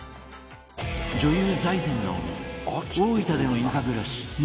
女優財前の大分での田舎暮らし